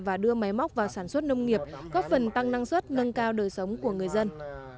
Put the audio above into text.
và đưa máy móc vào sản xuất nông nghiệp góp phần tăng năng suất nâng cao đời sống của người dân